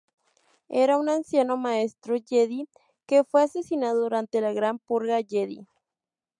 Era un anciano Maestro Jedi que fue asesinado durante la Gran Purga Jedi.